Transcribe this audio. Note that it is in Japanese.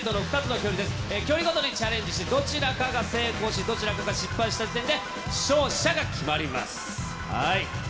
距離ごとにチャレンジして、どちらかが成功し、どちらかが失敗した時点で勝者が決まります。